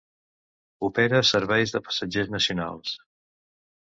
Opera serveis de passatgers nacionals.